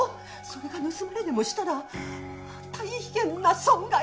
それが盗まれでもしたら大変な損害！